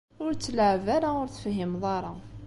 Ur tt-leɛɛeb ara ur tefhimeḍ ara.